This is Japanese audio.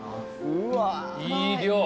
いい量。